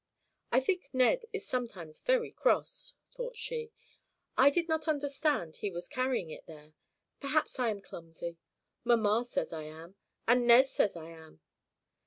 "I think Ned is sometimes very cross," thought she. "I did not understand he was carrying it there. Perhaps I am clumsy. Mamma says I am; and Ned says I am.